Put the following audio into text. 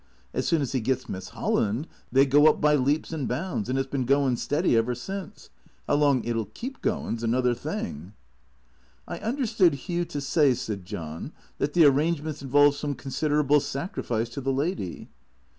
As soon as he gets Miss Holland they go up by leaps and bounds, and it 's bin goin' steady ever since. How long it '11 keep goin 's another thing." " I understood Hugh to say," said John, " that the arrange ments involved some considerable sacrifice to the lady."